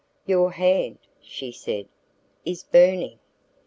"Your hand," she said, "is burning."